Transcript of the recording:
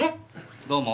どうも。